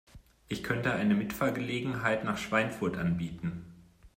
Ich könnte eine Mitfahrgelegenheit nach Schweinfurt anbieten